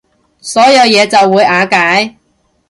所有嘢就會瓦解